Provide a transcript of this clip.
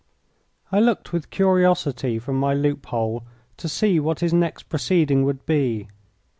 I looked with curiosity from my loophole to see what his next proceeding would be.